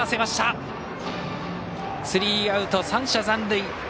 スリーアウト、３者残塁。